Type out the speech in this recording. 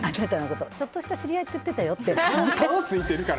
ちょっとした知り合いって言っていたよって。